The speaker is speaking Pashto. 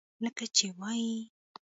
لکه چې وائي ۔